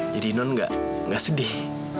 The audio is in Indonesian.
jadi non nggak sedih